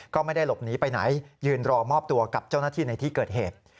ก็ไม่ได้หลบหนีไปไหนยืนรอมอบตัวกับเจ้าหน้าที่ในที่เกิดเหตุ